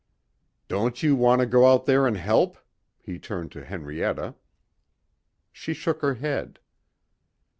"Don't you want to go out there and help," he turned to Henrietta. She shook her head.